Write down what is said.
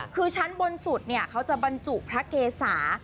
คือชั้นบนสุดเขาจะบรรจุพระเกษา